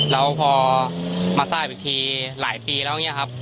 แล้วพอมาทราบอีกทีหลายปีแล้วอย่างนี้ครับ